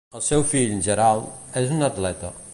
El seu fill, Gerald, és un atleta.